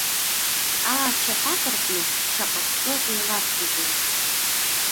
Аа-цәаҳәак рҟны шаҟа хкы еиларсузеи.